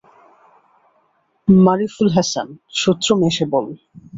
মারিফুল হাসান, সূত্র ম্যাশেবল